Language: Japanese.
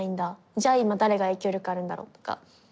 じゃあ今誰が影響力あるんだろう」とか。